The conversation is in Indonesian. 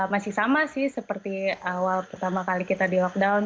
masih sama sih seperti awal pertama kali kita di lockdown